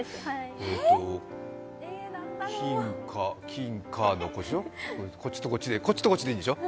えっと金こっちとこっちでいいんでしょ